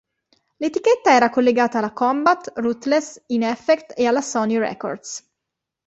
L'etichetta era collegata alla Combat, Ruthless, In-Effect e alla Sony Records.